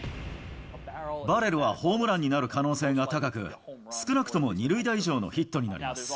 バレルはホームランになる可能性が高く、少なくとも２塁打以上のヒットになります。